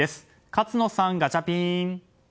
勝野さん、ガチャピン。